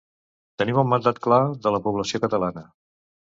Tenim un mandat clar de la població catalana.